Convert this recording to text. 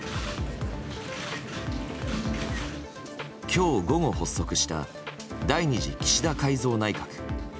今日、午後発足した第２次岸田改造内閣。